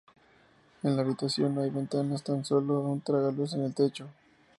En la habitación no hay ventanas, tan solo un tragaluz en el techo.